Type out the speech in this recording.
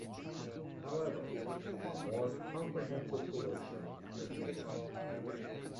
However, a more comprehensive solution was needed.